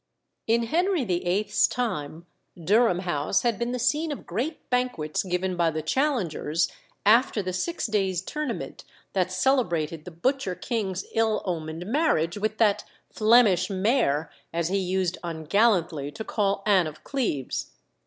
In Henry VIII.'s time Durham House had been the scene of great banquets given by the challengers after the six days' tournament that celebrated the butcher king's ill omened marriage with that "Flemish mare," as he used ungallantly to call Anne of Cleves.